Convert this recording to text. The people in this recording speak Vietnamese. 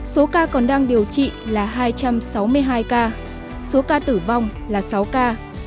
số ca còn đang điều trị là hai trăm sáu mươi hai ca số ca tử vong là sáu ca